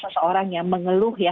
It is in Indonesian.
seseorang yang mengeluh